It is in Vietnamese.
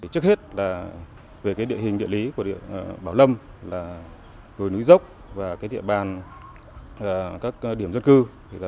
trước hết là về địa hình địa lý của bảo lâm là người núi dốc và địa bàn các điểm dân cư xa trung tâm